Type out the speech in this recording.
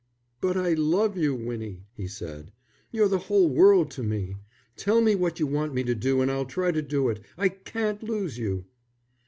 "But I love you, Winnie," he said. "You're the whole world to me. Tell me what you want me to do and I'll try to do it. I can't lose you."